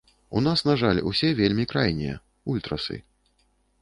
У нас, на жаль, усе вельмі крайнія, ультрасы.